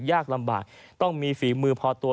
ยากลำบากต้องมีฝีมือพอตัว